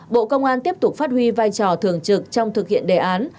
bộ công an tiếp tục phát huy vai trò thường trực trong thực hiện đề án